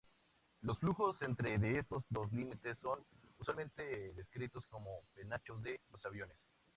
Los flujos entre estos dos límites son usualmente descritos como penachos de los aviones.